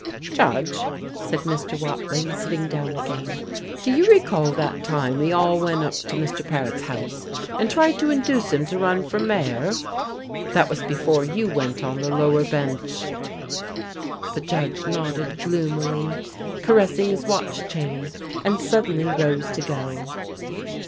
"Judge," said Mr. Watling, sitting down again, "do you recall that time we all went up to Mr. Paret's house and tried to induce him to run for mayor? That was before you went on the lower bench." The judge nodded gloomily, caressing his watch chain, and suddenly rose to go.